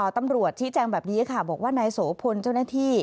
ตำรวจชี้แจงแบบนี้ค่ะบอกว่านายโสพลเจ้าหน้าที่